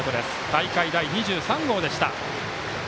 大会第２３号でした。